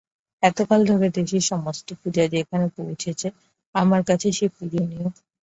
এতকাল ধরে সমস্ত দেশের পূজা যেখানে পৌঁচেছে আমার কাছে সে পূজনীয়।